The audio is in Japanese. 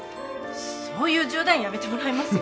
そういう冗談やめてもらえます？